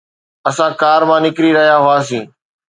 اسان ڪار مان نڪري رهيا هئاسين